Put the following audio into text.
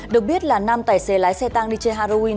được biết là nam tài xế lái xe tang đi chơi halloween